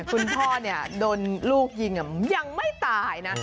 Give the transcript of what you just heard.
คุณพ่อโดนลูกยิงยังไม่ตายนะ